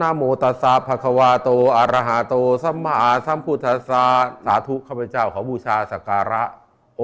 นามโมตาสาภัควาโตอารหาโตสัมมาสัมพุทธาสาธุข้าพเจ้าของบุชาศักรา